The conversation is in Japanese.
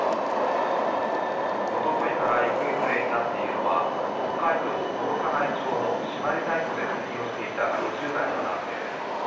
おとといから行方不明になっているのは北海道幌加内町の朱鞠内湖で釣りをしていた５０代の男性です。